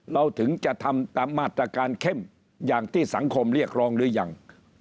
เราถึงจะทำตามมาตรการเข้มอย่างที่สังคมเรียกร้องหรือยัง